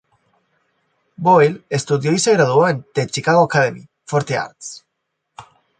Boyle estudió y se graduó en The Chicago Academy for the Arts.